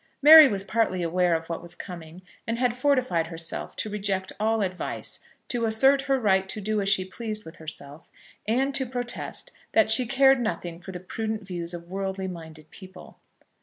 Mary was partly aware of what was coming, and had fortified herself to reject all advice, to assert her right to do as she pleased with herself, and to protest that she cared nothing for the prudent views of worldly minded people.